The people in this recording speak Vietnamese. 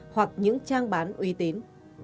hoặc những trang bán uy tín